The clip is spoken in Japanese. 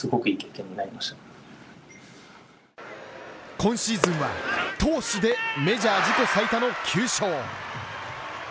今シーズンは投手でメジャー自己最多の９勝。